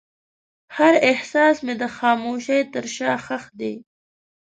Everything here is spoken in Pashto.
هر احساس مې د خاموشۍ تر شا ښخ دی.